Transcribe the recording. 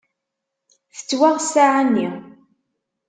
Tettwaɣ ssaɛa-nni.